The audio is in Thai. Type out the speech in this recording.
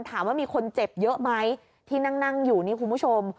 ถามว่ามีคนเจ็บเยอะไหมที่นั่งอยู่นี่คุณผู้ชม